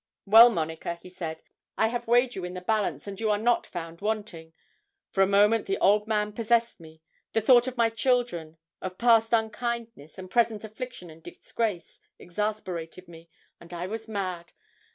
'"Well, Monica," he said, "I have weighed you in the balance, and you are not found wanting. For a moment the old man possessed me: the thought of my children, of past unkindness, and present affliction and disgrace, exasperated me, and I was mad.